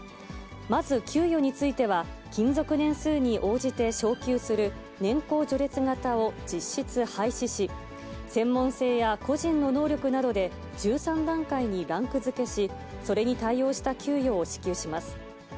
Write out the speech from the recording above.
まず給与については、勤続年数に応じて昇給する年功序列型を実質廃止し、専門性や個人の能力などで１３段階にランク付けし、それに対応した給与を支給します。